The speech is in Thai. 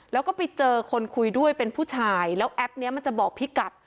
แล้วก็ไปเจอคนคุยด้วยเป็นผู้ชายแล้วแอปนี้มันจะบอกพี่กัด